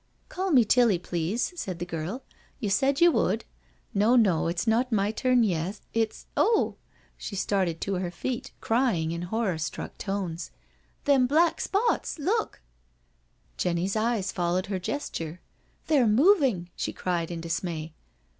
" Call me Tilly, please," said the girl, " you said you would. No, no, it's not my turn yet, it's ..• oh I " She started to her feet, crying in horror struck tones: "Them black spots I Look I" Jenny's eyes followed her gesture. " They're mov ing," she cried in dismay.